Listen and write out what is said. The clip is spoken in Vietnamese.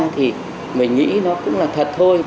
thì mình nghĩ nó cũng là thật thôi